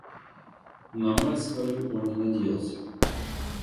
На мать свою он не надеялся.